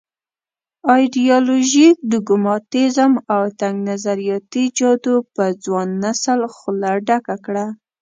ایډیالوژيک ډوګماتېزم او تنګ نظریاتي جادو په ځوان نسل خوله ډکه کړه.